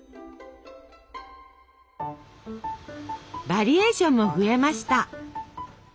バリエーションも増えました。